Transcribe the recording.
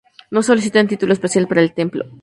No solicitan título especial para el templo.